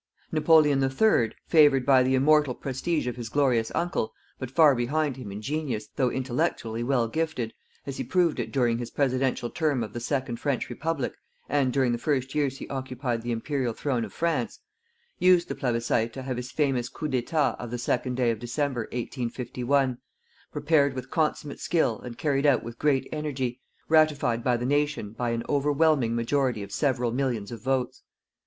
Napoleon III, favoured by the immortal prestige of his glorious uncle, but far behind him in genius, though intellectually well gifted, as he proved it during his Presidential term of the second French Republic and during the first years he occupied the Imperial Throne of France, used the plebiscit to have his famous coup d'Etat of the second day of December 1851, prepared with consummate skill and carried out with great energy, ratified by the nation by an overwhelming majority of several millions of votes.